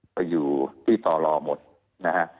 ไปอยู่ที่ต่อรอหมดนะฮะ